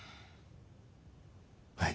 はい。